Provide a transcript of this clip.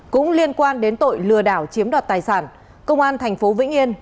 cũng liên quan đến tội lừa đảo chiếm đoạt tài sản công an tp vĩnh yên